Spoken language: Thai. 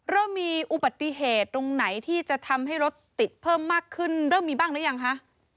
เริ่มมีอุบัติเหตุตรงไหนที่จะทำให้รถติดเพิ่มมากขึ้นเริ่มมีบ้างหรือยังคะ